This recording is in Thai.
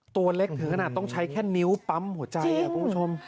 ตัวเล็กถือกระดัษต้องใช้แค่นิ้วปั๊มหัวใจครับคุณผู้ชม